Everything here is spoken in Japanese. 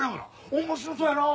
面白そうやな！